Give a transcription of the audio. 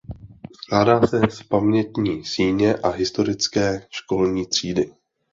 Skládá se z Pamětní síně a historické školní třídy.